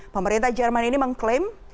pemerintah jerman ini mengklaim